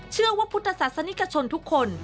เชื่อว่าพุทธศาสนิกชนทุกคน